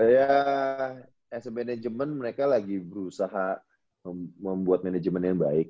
ya as management mereka lagi berusaha membuat manajemen yang baik